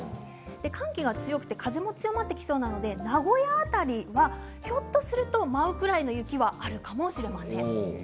寒気が強くて風も強まってきそうなので名古屋辺りはひょっとすると舞うくらいの雪はあるかもしれません。